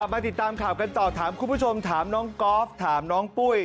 มาติดตามข่าวกันต่อถามคุณผู้ชมถามน้องก๊อฟถามน้องปุ้ย